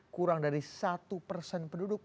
kurang dari satu persen penduduk